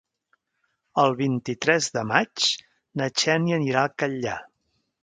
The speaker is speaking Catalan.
El vint-i-tres de maig na Xènia anirà al Catllar.